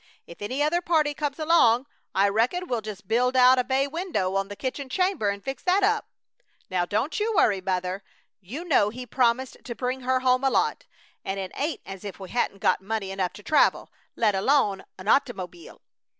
If any other party comes along I reckon we'll just build out a bay window on the kitchen chamber, and fix that up. Now don't you worry, Mother. You know he promised to bring her home a lot, and it ain't as if he hadn't got money enough to travel, let alone a nottymobeel.